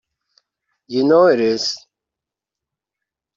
You know it is!